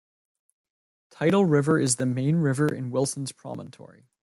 Tidal River is the main river in Wilsons Promontory.